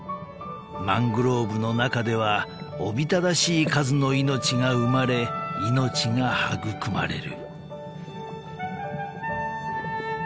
［マングローブの中ではおびただしい数の命が生まれ命が育まれる］